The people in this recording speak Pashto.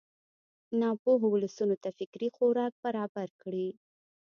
ناپوهو ولسونو ته فکري خوراک برابر کړي.